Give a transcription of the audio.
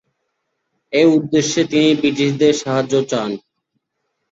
এ উদ্দেশ্যে তিনি ব্রিটিশদের সাহায্য চান।